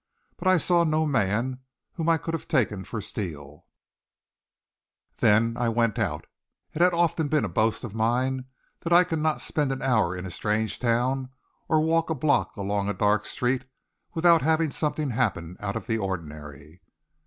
But I saw no man whom I could have taken for Steele. Then I went out. It had often been a boast of mine that I could not spend an hour in a strange town, or walk a block along a dark street, without having something happen out of the ordinary.